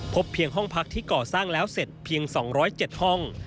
เพียงห้องพักที่ก่อสร้างแล้วเสร็จเพียง๒๐๗ห้อง